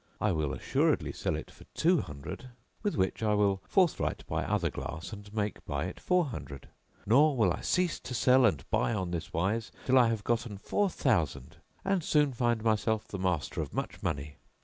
I will assuredly sell it for two hundred with which I will forthright buy other glass and make by it four hundred; nor will I cease to sell and buy on this wise, till I have gotten four thousand and soon find myself the master of much money.